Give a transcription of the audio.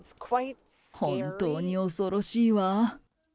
本当に恐ろしいわ。